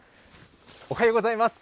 おはようございます。